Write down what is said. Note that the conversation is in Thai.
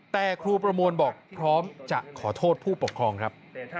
แต่ครูประมวลบอกพร้อมจะขอโทษผู้ปกครองครับ